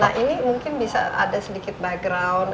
nah ini mungkin bisa ada sedikit background